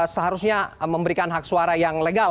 seharusnya memberikan hak suara yang legal